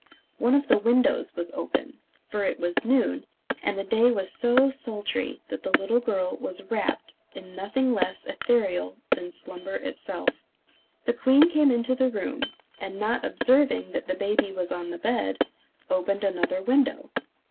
One of the windows was open, for it was noon, and the day was so sultry that the little girl was wrapped in nothing less ethereal than slumber itself. The queen came into the room, and not observing that the baby was on the bed, opened another window.